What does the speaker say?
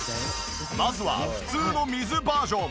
まずは普通の水バージョン。